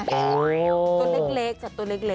ตัวเล็กจากตัวเล็ก